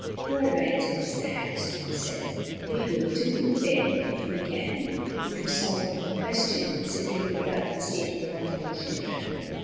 "All right," said Mr. Harris to himself; "we go, too, then, if we can," which was somewhat of a question, considering the crowded state of autumn ocean travel.